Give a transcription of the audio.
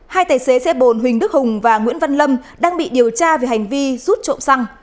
hai tài xế xe bồn huỳnh đức hùng và nguyễn văn lâm đang bị điều tra về hành vi rút trộm xăng